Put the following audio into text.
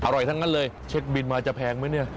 ทั้งนั้นเลยเช็คบินมาจะแพงไหมเนี่ย